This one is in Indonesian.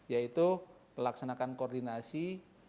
yaitu melaksanakan koordinasi